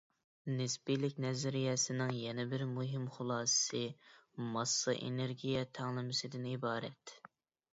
نىسپىيلىك نەزەرىيەسىنىڭ يەنە بىر مۇھىم خۇلاسىسى، ماسسا - ئېنېرگىيە تەڭلىمىسىدىن ئىبارەت.